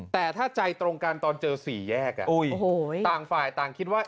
แต่ถ้าใจตรงกันตอนเจอสี่แยกต่างฝ่ายต่างคิดว่า